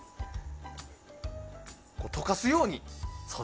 溶かすように。